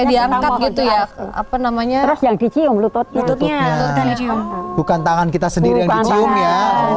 diangkat gitu ya apa namanya yang dicium lututnya bukan tangan kita sendiri ya